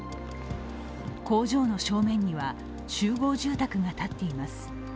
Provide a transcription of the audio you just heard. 工場の正面には集合住宅が建っています。